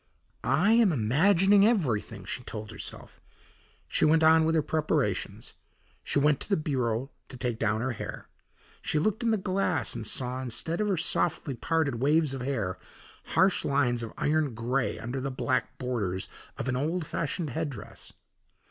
"I am imagining everything," she told herself. She went on with her preparations; she went to the bureau to take down her hair. She looked in the glass and saw, instead of her softly parted waves of hair, harsh lines of iron gray under the black borders of an old fashioned head dress.